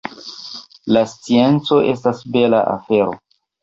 La scienco estas bela afero.